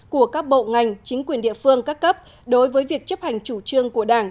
của các bộ ngành chính quyền địa phương các cấp đối với việc chấp hành chủ trương của đảng